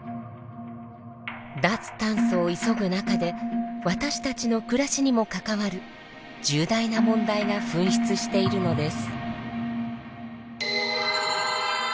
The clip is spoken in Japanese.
脱炭素を急ぐ中で私たちの暮らしにも関わる重大な問題が噴出しているのです。